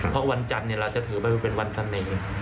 เพราะวันจันทร์เราจะถือไปเป็นวันเสน่ห์